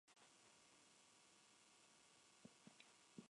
Brazo de Platino, Jr.